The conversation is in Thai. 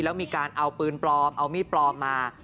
แล้วมีการเอาปืนปลอมเอามีดปลอมมา